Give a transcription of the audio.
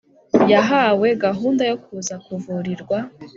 yahawe gahunda yo kuza kuvurirwa